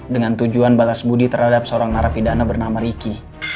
dengan tujuan balas budi terhadap seorang narapidana bernama riki